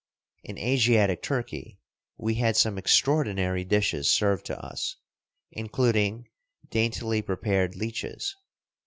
In Asiatic Turkey we had some extraordinary dishes served to us, including daintily prepared leeches.